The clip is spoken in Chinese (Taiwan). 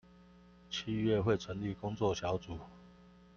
七月會成立工作小組